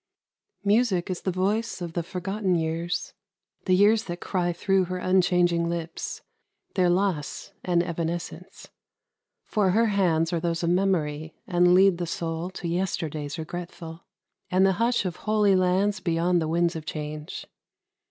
Music is the voice of the forgotten years The years that cry thro' her unchanging lips Their loss and evanescence. For her hands Are those of Memory, and lead the soul To yesterdays regretful, and the hush Of holy lands beyond the winds of change.